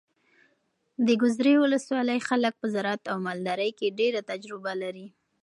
د ګذرې ولسوالۍ خلک په زراعت او مالدارۍ کې ډېره تجربه لري.